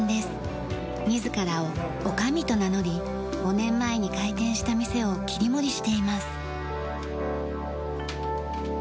自らを女将と名乗り５年前に開店した店を切り盛りしています。